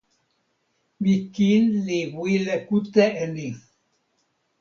mi kin li wile kute e ni!